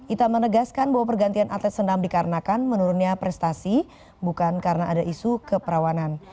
ita menegaskan bahwa pergantian atlet senam dikarenakan menurunnya prestasi bukan karena ada isu keperawanan